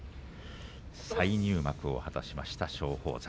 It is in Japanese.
再入幕を果たした松鳳山。